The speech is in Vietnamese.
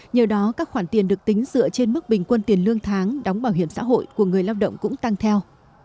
nhờ đó các khoản tiền được tính dựa trên mức bình quân tiền lương tháng đóng bảo hiểm xã hội của người lao động cũng tăng theo